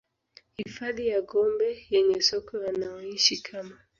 Hifadhi ya Gombe yenye sokwe wanaoishi kama